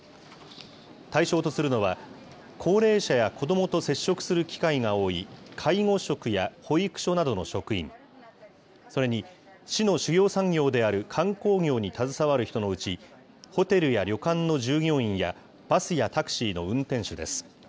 対象とするのは、高齢者や子どもと接触する機会が多い介護職や保育所などの職員、それに、市の主要産業である観光業に携わる人のうち、ホテルや旅館の従業員やバスやタクシーの運転手です。